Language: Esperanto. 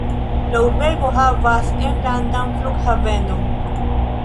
La urbego havas enlandan flughavenon.